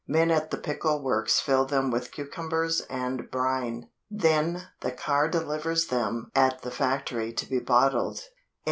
Men at the pickle works fill them with cucumbers and brine. Then the car delivers them at the factory to be bottled.